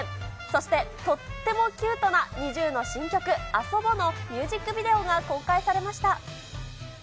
そしてとってもキュートなＮｉｚｉＵの新曲、ＡＳＯＢＯのミュージックビデオが公開されました。